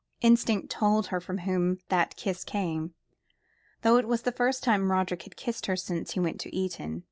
Instinct told her from whom that kiss came, though it was the first time Roderick had kissed her since he went to Eton.